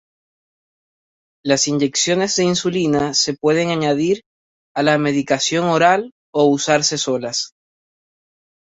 Las inyecciones de insulina se pueden añadir a la medicación oral o usarse solas.